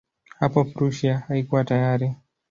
Hapo Prussia haikuwa tayari.